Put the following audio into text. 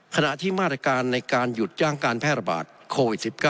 ขณะที่มาตรการในการหยุดย่างการแพร่ระบาดโควิด๑๙